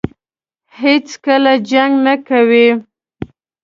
هېڅکله جنګ نه کوي.